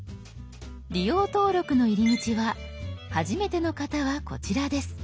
「利用登録」の入り口は「はじめての方はこちら」です。